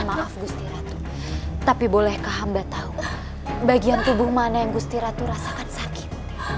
maaf gusti ratu tapi bolehkah hamba tahu bagian tubuh mana yang gusti ratu rasakan sakit